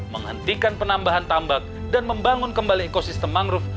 menghentikan penambahan tambak dan membangun kembali ekosistem mangrove